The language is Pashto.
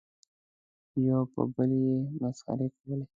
یو پر بل یې مسخرې کولې.